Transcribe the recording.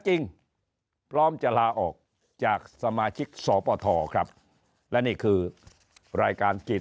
จริงพร้อมจะลาออกจากสมาชิกสปทครับและนี่คือรายการกิจ